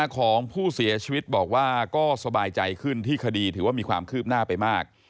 ของผู้เสียชีวิตบอกว่าก็สบายใจขึ้นที่คดีถือว่ามีความคืบหน้าไปมาก